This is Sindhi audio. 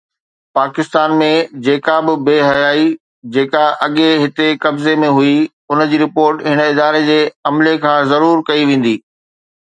پاڪستان ۾ جيڪا به بي حيائي، جيڪا اڳي هتي قبضي ۾ هئي، ان جي رپورٽ هن اداري جي عملي کان ضرور ڪئي ويندي.